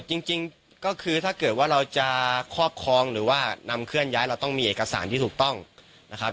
จริงก็คือถ้าเกิดว่าเราจะครอบครองหรือว่านำเคลื่อนย้ายเราต้องมีเอกสารที่ถูกต้องนะครับ